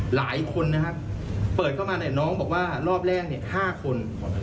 หลายคนนะครับเปิดเข้ามาเนี่ยน้องบอกว่ารอบแรกเนี่ย๕คน